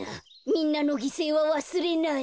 みんなのぎせいはわすれない。